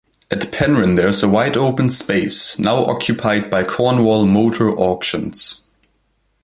At Penryn there is a wide open space now occupied by Cornwall Motor Auctions.